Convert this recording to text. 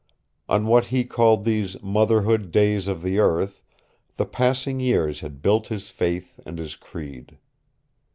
On what he called these "motherhood days of the earth" the passing years had built his faith and his creed.